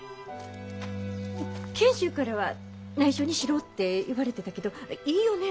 賢秀からはないしょにしろって言われてたけどいいよね